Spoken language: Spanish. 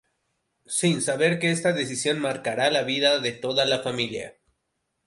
Sin saber que esta decisión marcará la vida de toda la familia.